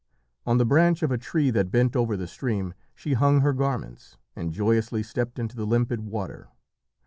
On the branch of a tree that bent over the stream she hung her garments, and joyously stepped into the limpid water.